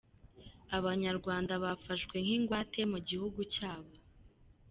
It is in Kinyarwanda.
-Abanyarwanda bafashwe nk’ingwate mu gihugu cyabo